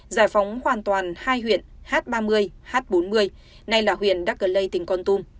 giải phóng hoàn toàn hai huyện h ba mươi h bốn mươi nay là huyện đắc lê tỉnh con tum